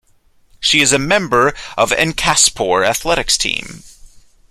She is a member of Enkaspor athletics team.